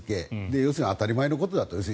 要するに当たり前のことだと。